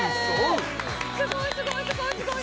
すごいすごいすごいすごい！